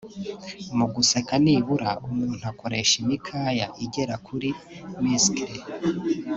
Mu guseka nibura umuntu akoresha imikaya igera kuri (muscles)